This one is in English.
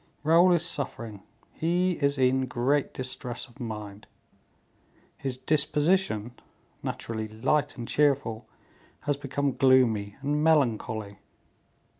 Raoul is suffering; he is in great distress of mind; his disposition, naturally light and cheerful, has become gloomy and melancholy.